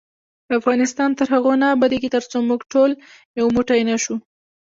افغانستان تر هغو نه ابادیږي، ترڅو موږ ټول یو موټی نشو.